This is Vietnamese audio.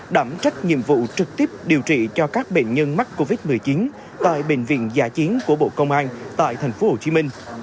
đảm trách nhiệm vụ trực tiếp điều trị cho các bệnh nhân mắc covid một mươi chín tại bệnh viện giả chiến của bộ công an tại tp hcm